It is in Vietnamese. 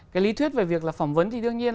cái lý thuyết về việc là phỏng vấn thì đương nhiên